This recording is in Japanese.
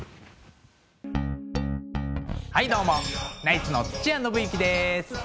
はいどうもナイツの土屋伸之です。